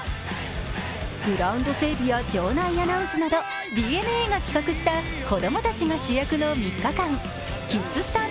グラウンド整備や場内アナウンスなど、ＤｅＮＡが企画した子供たちが主役の３日間、キッズＳＴＡＲ